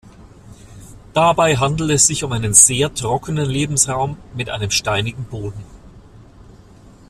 Dabei handelt es sich um einen sehr trockenen Lebensraum mit einem steinigen Boden.